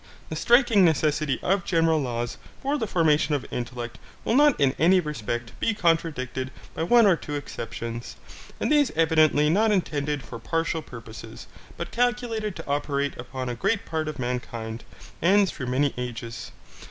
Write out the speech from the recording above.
The striking necessity of general laws for the formation of intellect will not in any respect be contradicted by one or two exceptions, and these evidently not intended for partial purposes, but calculated to operate upon a great part of mankind, and through many ages.